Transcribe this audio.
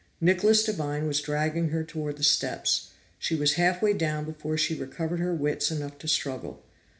Nicholas Devine was dragging her toward the steps; she was half way down before she recovered her wits enough to struggle.